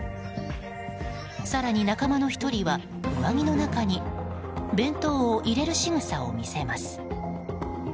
更に、仲間の１人は上着の中に弁当を入れるしぐさを見せます。